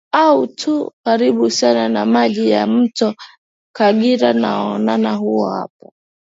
a tu karibu sana na maji ya mto kagira nauona huo hapo